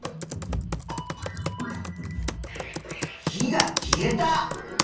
火が消えた。